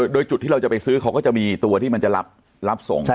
โดยจุดที่เราจะไปซื้อเขาก็จะมีตัวที่มันจะรับส่ง